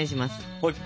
はい。